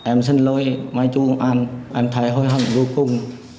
em xin lỗi mai chủ công an em thấy hối hận vô cùng